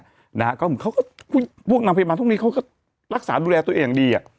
พวกนำพิพันธุ์มาตรงนี้เขาก็รักษาดูแลตัวเองอย่างดี